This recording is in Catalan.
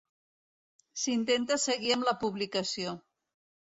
S'intenta seguir amb la publicació.